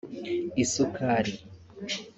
isukari